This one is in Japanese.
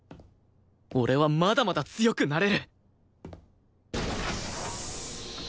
俺はまだまだ強くなれる！